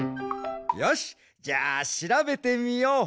よしじゃあしらべてみよう！